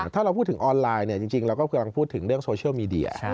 ถ้าเราพูดถึงออนไลน์จริงเราก็กำลังพูดถึงเรื่องโซเชียลมีเดีย